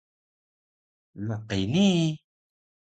laqi nii?